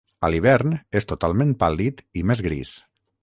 A l'hivern és totalment pàl·lid i més gris.